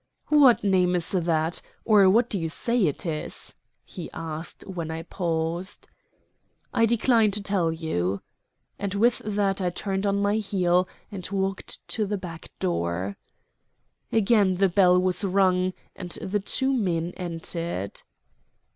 "What name is that? Or what do you say it is?" he asked when I paused. "I decline to tell you;" and with that I turned on my heel and walked to the back door. Again the bell was rung, and the two men entered.